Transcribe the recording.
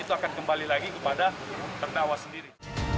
itu akan kembali lagi kepada terdakwa sendiri